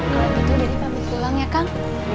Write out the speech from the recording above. kalau gitu dede pabrik pulang ya kang